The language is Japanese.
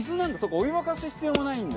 お湯沸かす必要もないんだ。